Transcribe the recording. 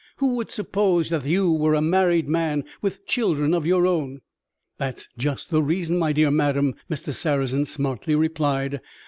Who would suppose that you were a married man, with children of your own?" "That's just the reason, my dear madam," Mr. Sarrazin smartly replied.